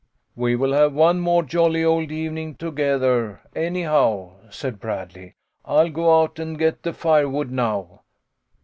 "We will have one more jolly old evening to gether, anyhow," said Bradley. " I'll go out and get the firewood now."